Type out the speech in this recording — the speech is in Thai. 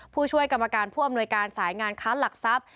ผู้ช่วยกรรมการผู้อำนวยการสายงานค้านหลักทรัพย์